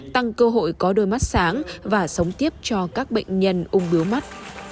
tăng cơ hội có đôi mắt sáng và sống tiếp cho các bệnh nhân ung biếu mắt